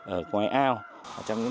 ở ngoài ao trong những